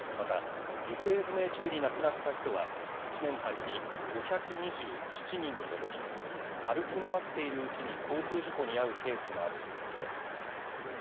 また、行方不明中に亡くなった人は、１年間に５２７人に上り、歩き回っているうちに交通事故に遭うケースもあるということです。